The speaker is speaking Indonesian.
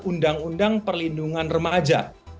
undang undang perlindungan remaja